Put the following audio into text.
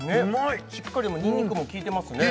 しっかりにんにくもきいてますね